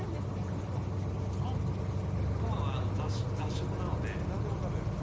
クマもクマは雑食なので何でも食べる？